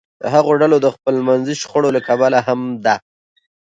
د هغو ډلو د خپلمنځي شخړو له کبله هم ده